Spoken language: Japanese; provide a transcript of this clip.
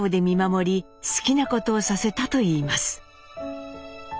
見守り好きなことをさせたといいます。